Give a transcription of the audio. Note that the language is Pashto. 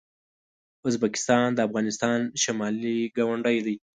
ازبکستان د افغانستان شمالي ګاونډی دی.